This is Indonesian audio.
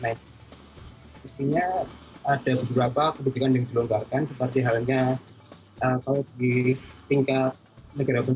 intinya ada beberapa kebijakan yang dilonggarkan seperti halnya kalau di tingkat negara pun